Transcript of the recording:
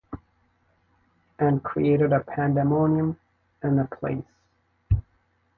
And created a pandemonium in the place.